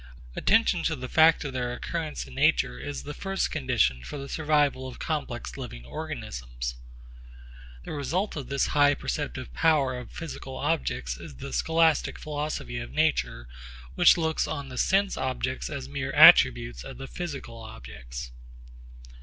Attention to the fact of their occurrence in nature is the first condition for the survival of complex living organisms. The result of this high perceptive power of physical objects is the scholastic philosophy of nature which looks on the sense objects as mere attributes of the physical objects.